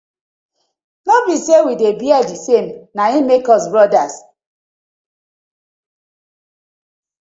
No bi say we dey bear di same na im make us brothers.